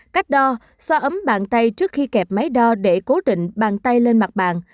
cách đo so ấm bàn tay trước khi kẹp máy đo để cố định bàn tay lên mặt bàn